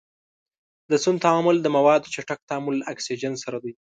د سون تعامل د موادو چټک تعامل له اکسیجن سره دی.